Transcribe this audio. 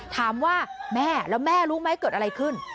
ถามว่าแม่แล้วแม่รู้ไหมเกิดอะไรขึ้น